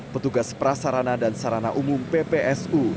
petugas prasarana dan sarana umum ppsu